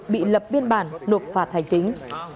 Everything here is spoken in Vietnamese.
bị lập biên bản nộp phạt hành chính